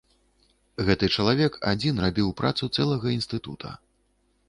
Гэты чалавек адзін рабіў працу цэлага інстытута.